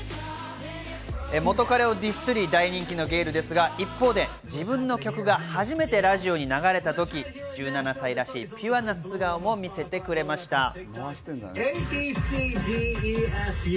元カレをディスり、大人気のゲイルですが、一方で自分の曲が初めてラジオに流れたとき、１７歳らしいピュアな素顔も見せてくれました。